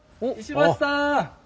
石橋さん！